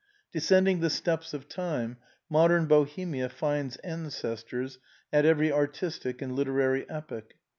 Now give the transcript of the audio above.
Descending the steps of time modern Bohemia finds ancestors at every artistic and literary epoch.